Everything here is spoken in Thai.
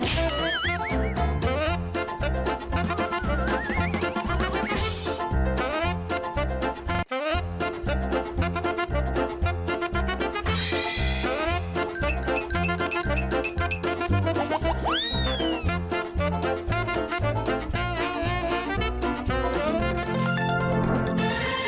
สวัสดีครับ